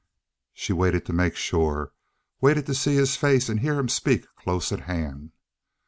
She waited to make sure, waited to see his face and hear him speak close at hand.